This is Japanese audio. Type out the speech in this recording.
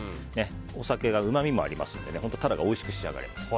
お酒はうまみもありますのでタラがおいしく仕上がります。